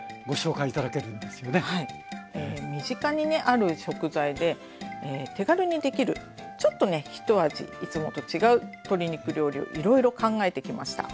身近にある食材で手軽にできるちょっとね一味いつもと違う鶏肉料理をいろいろ考えてきました。